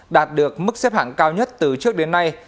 đạt được mức xếp hạng cao nhất từ trước đến nay